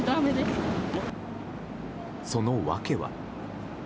その訳は。